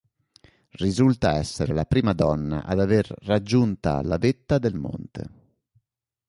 Risulta essere la prima donna ad aver raggiunta la vetta del monte.